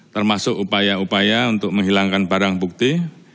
termasuk upaya upaya untuk menghilangkan barang bukti